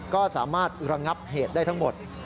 ก็สามารถระงับเหตุได้ทั้งหมด